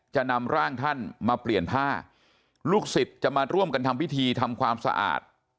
จะนำร่างท่านมาเปลี่ยนผ้าลูกศิษย์จะมาร่วมกันทำพิธีทำความสะอาด